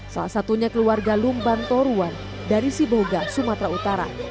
salah satunya keluarga lumban toruan dari siboga sumatera utara